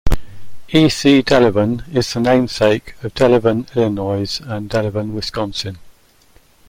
E. C. Delavan is the namesake of Delavan, Illinois and Delavan, Wisconsin.